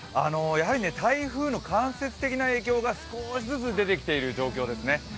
やはり台風の間接的な影響が少しずつ出てきている状況ですね。